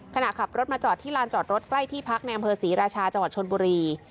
ขณะขับรถมาจอดที่ลานจอดรถใกล้ที่พักในอำเภอศรีราชาจังหวัดชนบุรี